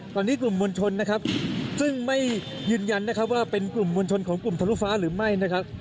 ตอนนี้กลุ่มมวลชนนะครับซึ่งไม่ยืนยันนะครับว่าเป็นกลุ่มมวลชนของกลุ่มทะลุฟ้าหรือไม่นะครับ